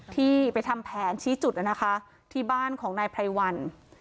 ที่ไปทำแผนชี้จุดนะคะที่บ้านของนายไพรวัน